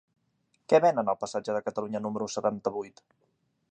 Què venen al passatge de Catalunya número setanta-vuit?